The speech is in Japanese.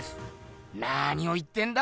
なにを言ってんだ？